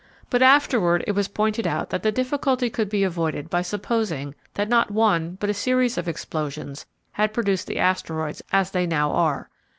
But afterward it was pointed out that the difficulty could be avoided by supposing that not one but a series of explosions had produced the asteroids as they now are.